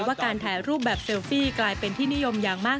ว่าการถ่ายรูปแบบเซลฟี่กลายเป็นที่นิยมอย่างมาก